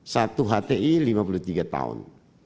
satu hti lima puluh tiga tahun